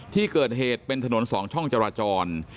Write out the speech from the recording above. ที่เกิดเหตุเป็นถนน๒ช่องจราจร